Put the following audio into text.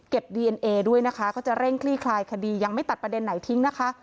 ดีเอ็นเอด้วยนะคะก็จะเร่งคลี่คลายคดียังไม่ตัดประเด็นไหนทิ้งนะคะ